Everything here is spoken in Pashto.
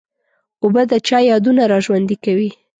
اوبه د چا یادونه را ژوندي کوي.